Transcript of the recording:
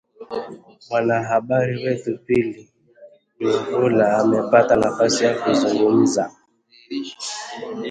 Mwanahabari wetu Pili Nyamvula amepata nafasi ya kuzungumza